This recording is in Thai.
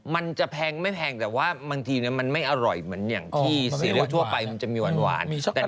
มันจะแพงไม่แพงแต่ว่าบางทีมันไม่อร่อยเหมือนอย่างที่ซีเรียสทั่วไปมันจะมีหวาน